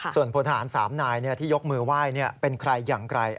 ส่วนพลทหาร๓นายที่ยกมือไหว้เป็นใครอย่างไร